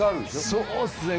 そうですね。